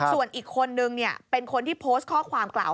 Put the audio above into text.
ส่วนอีกคนนึงเป็นคนที่โพสต์ข้อความกล่าว